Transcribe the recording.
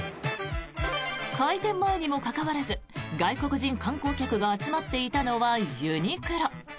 開店前にもかかわらず外国人観光客が集まっていたのはユニクロ。